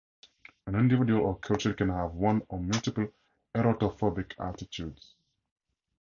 An individual or culture can have one or multiple erotophobic attitudes.